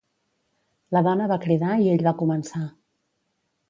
La dona va cridar i ell va començar.